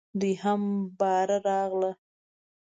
دوی هم باره راغله .